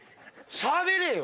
しゃべれよ！